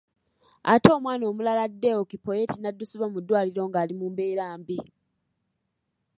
Ate omwana omulala Deo Kipoyet n'addusibwa mu ddwaliro nga ali mu mbeera mbi.